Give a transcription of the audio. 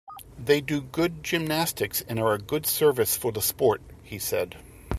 "They do good gymnastics and are a good service for the sport," he said.